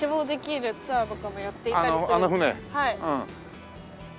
はい。